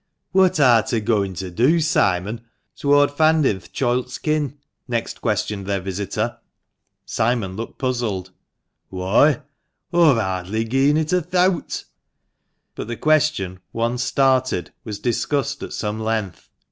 "What ar" ta gooin' to do, Simon, toward fandin' th' choilt's kin ?" next questioned their visitor. Simon looked puzzled. "Whoy, aw've hardly gi'en it a thowt." But the question, once started, was discussed at some length.